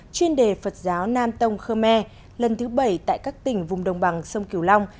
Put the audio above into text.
chuyên đề phật giáo nam tông khơ me lần thứ bảy tại các tỉnh vùng đồng bằng sông kiều long